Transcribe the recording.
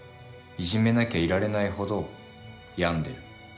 いじめなきゃいられないほど病んでる。